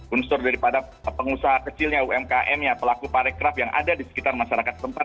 unsur daripada pengusaha kecilnya umkm nya pelaku parekraf yang ada di sekitar masyarakat tempat